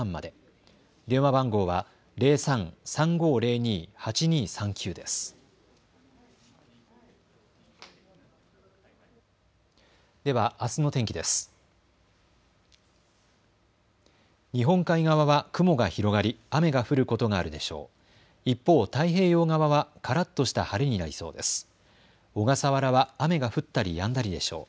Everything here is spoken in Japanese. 日本海側は雲が広がり雨が降ることがあるでしょう。